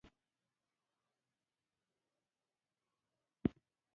رئیس جمهور خپلو عسکرو ته امر وکړ؛ د شپې لید دوربینونه وکاروئ!